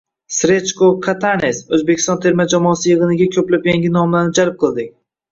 Srechko Katanes: O‘zbekiston terma jamoasi yig‘iniga ko‘plab yangi nomlarni jalb qildik